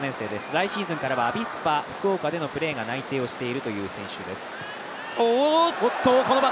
来シーズンからアビスパ福岡でのプレーが内定しているという選手です。